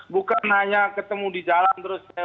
bukan hanya ketemu di jalan terus